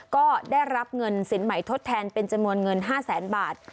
ก็ได้รับเงินสินใหม่ทดแทนเป็นจำนวนเงิน๕แสนบาท